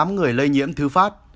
chín mươi tám người lây nhiễm thư phát